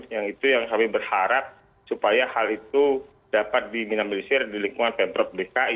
yang itu yang kami berharap supaya hal itu dapat diminamilisir di lingkungan pemprov dki